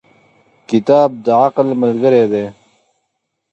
• کتاب د عقل ملګری دی.